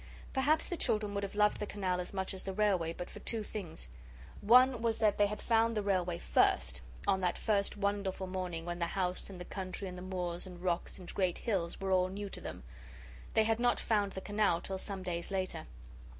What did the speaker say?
Perhaps the children would have loved the canal as much as the railway, but for two things. One was that they had found the railway FIRST on that first, wonderful morning when the house and the country and the moors and rocks and great hills were all new to them. They had not found the canal till some days later.